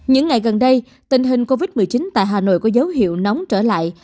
những ngày gần đây tình hình covid một mươi chín tại hà nội có dấu hiệu nóng trở lại